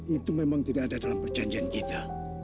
itu memang tidak ada dalam perjanjian kita